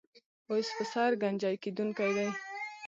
اوس پر سر ګنجۍ کېدونکی دی.